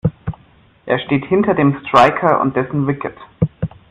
Er steht hinter dem Striker und dessen Wicket.